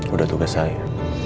udah tugas saya